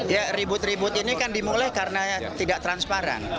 ya ribut ribut ini kan dimulai karena tidak transparan